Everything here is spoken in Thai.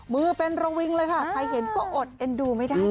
มือเป็นระวิงเลยค่ะใครเห็นก็อดเอ็นดูไม่ได้